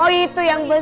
oh itu yang besar